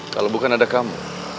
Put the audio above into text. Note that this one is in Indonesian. kalau bukan ada kamu